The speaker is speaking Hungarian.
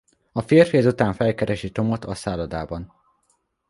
A férfi ezután felkeresi Tomot a szállodában.